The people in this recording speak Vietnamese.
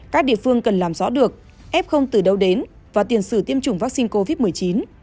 các địa phương cần làm rõ được f từ đâu đến và tiền sử tiêm chủng vaccine covid một mươi chín